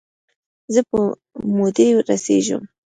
زه په مودې رسیږم